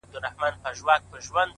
علم د ټولنې پرمختګ تضمینوي